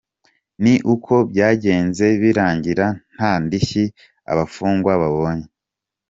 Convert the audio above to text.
Ni uko byagenze birangira nta ndishyi abafungwa babonye y’amafranga yabo.